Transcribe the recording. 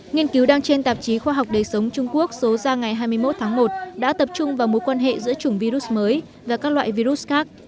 nghiên cứu đăng trên tạp chí khoa học đầy sống trung quốc số ra ngày hai mươi một tháng một đã tập trung vào mối quan hệ giữa chủng virus mới và các loại virus khác